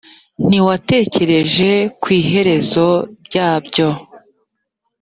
ntiwatekereje ku iherezo ryabyo